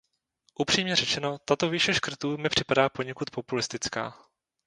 Upřímně řečeno, tato výše škrtů mi připadá poněkud populistická.